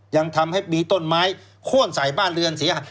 ยังทำให้มีต้นไม้โค้นใส่บ้านเรือนเสียหาย